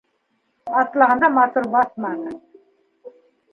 Атлағанда матур баҫманы.